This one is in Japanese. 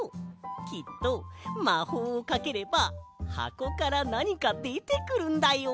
きっとまほうをかければはこからなにかでてくるんだよ。